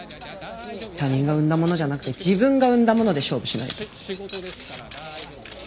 他人が生んだものじゃなくて自分が生んだもので勝負しないと。